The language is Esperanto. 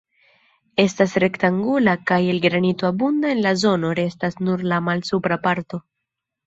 Estas rektangula kaj el granito abunda en la zono: restas nur la malsupra parto.